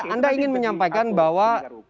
anda ingin menyampaikan bahwa